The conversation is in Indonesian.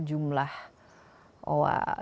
jumlah oha di jgc